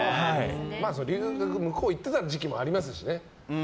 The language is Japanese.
留学で向こう行っていた時期もありますからね。